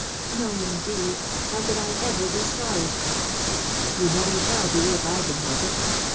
"No, indeed! How could I ever be sorry?" "You never shall be, if I can help it.